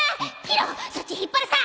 宙そっち引っ張るさ！